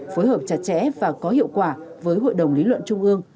phối hợp chặt chẽ và có hiệu quả với hội đồng lý luận trung ương